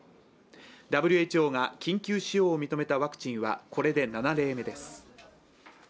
ＷＨＯが緊急使用を認めたワクチンは、これで７例目です。